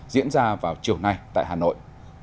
diễn ra vào chiều nay tại hà nội